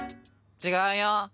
違うよ。